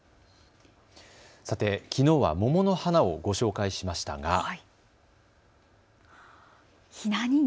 さて、きのうは桃の花をご紹介しましたが。